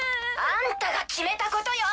あんたが決めたことよ！